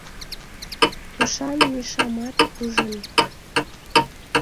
Тушан Мишамат ужын.